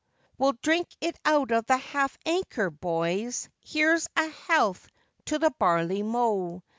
We'll drink it out of the river, my boys, Here's a health to the barley mow!